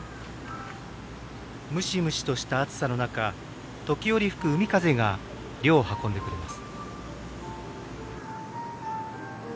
むしむしとした暑さの中時折吹く海風が涼を運んでくれます。